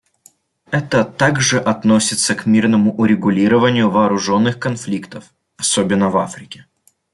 Это также относится к мирному урегулированию вооруженных конфликтов, особенно в Африке.